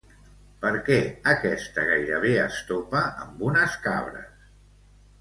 Per què aquesta gairebé es topa amb unes cabres?